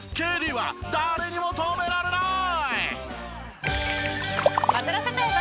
ＫＤは誰にも止められない！